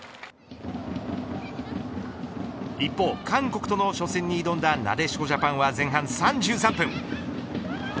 一方、韓国との初戦に挑んだなでしこジャパンは前半３３分。